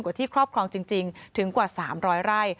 ที่ครอบครองจริงถึงกว่า๓๐๐ไร่